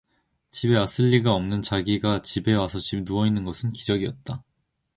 집에 왔을 리가 없는 자기가 집에 와서 누워 있는 것은 기적이었다.